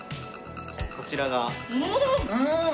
こちらが。